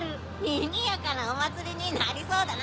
にぎやかなおまつりになりそうだな！